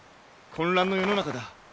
混乱の世の中だ。